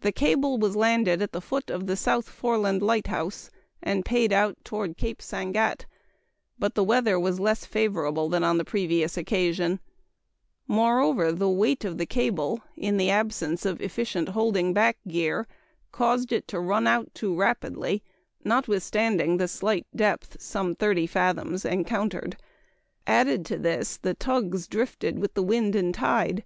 The cable was landed at the foot of the South Foreland lighthouse and paid out toward Cape Sangatte, but the weather was less favorable than on the previous occasion; moreover, the weight of the cable in the absence of efficient holding back gear caused it to run out too rapidly, notwithstanding the slight depth (some 30 fathoms) encountered. Added to this, the tugs drifted with the wind and tide.